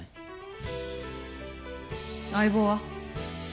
相棒は？